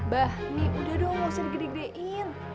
bah nih udah dong gausah digede gedein